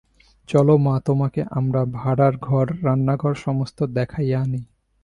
চলো মা, তোমাকে আমার ভাঁড়ার-ঘর রান্নাঘর সমস্ত দেখাইয়া আনি।